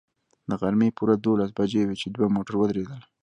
د غرمې پوره دولس بجې وې چې دوه موټر ودرېدل.